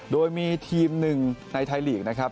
โดยมีทีมหนึ่งในไทยลีกนะครับ